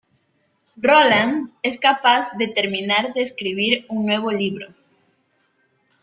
Roland es capaz de terminar de escribir un nuevo libro.